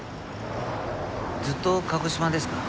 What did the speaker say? ずっと鹿児島ですか？